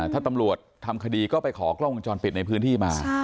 ถ้าตำรวจทำคดีก็ไปขอกล้องวงจรปิดในพื้นที่มา